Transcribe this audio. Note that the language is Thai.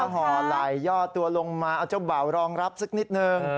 หอ่อนไหล่ยอดลงตัวมาเอาเจ้าบ่าวรองรับสักนิดหนึ่ง